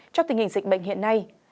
trong tình hình dịch bệnh hiện nay